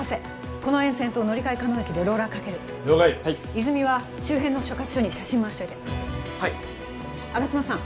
この沿線と乗り換え可能駅でローラーかける了解泉は周辺の所轄署に写真まわしといてはい吾妻さん